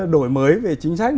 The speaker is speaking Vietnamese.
đổi mới về chính sách